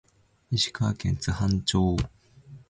石川県津幡町